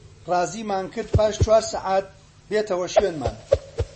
ڕازیمان کرد پاش چوار سەعات بێتەوە شوێنمان